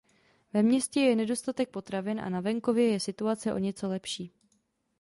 Ve městě je nedostatek potravin a na venkově je situace o něco lepší.